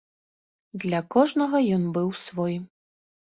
Для кожнага ён быў свой.